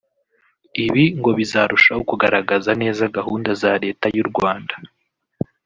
ibi ngo bizarushaho kugaragaza neza gahunda za Leta y’u Rwanda